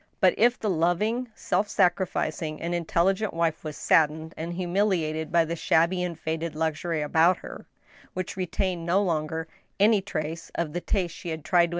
But if the loving, self sacrificing, and intelligent wife was sad dened and humiliated by the shabby and faded luxury about her, which retained no longer any trace of the taste she had tried to im IN THE ASHES.